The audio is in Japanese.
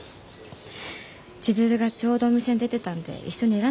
千鶴がちょうどお店に出てたんで一緒に選んでもらいましたよ。